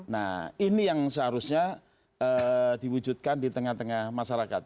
nah ini yang seharusnya diwujudkan di tengah tengah masyarakat